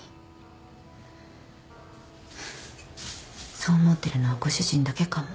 そう思ってるのはご主人だけかも。